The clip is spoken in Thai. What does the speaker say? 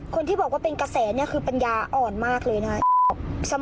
คนที่บอกว่าเป็นกระแสเนี่ยคือปัญญาอ่อนมากเลยนะครับ